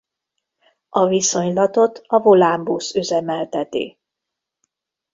A viszonylatot a Volánbusz üzemelteti.